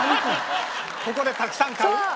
「ここでたくさん買う」？